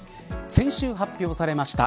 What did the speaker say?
先週、発表されました